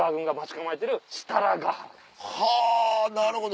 はぁなるほど！